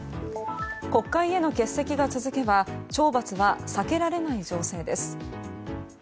国会への欠席が続けば懲罰が避けられない情勢です。